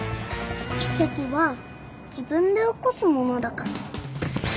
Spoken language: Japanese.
奇跡は自分で起こすものだから。